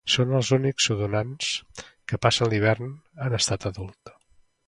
Són els únics odonats que passen l'hivern en estat adult.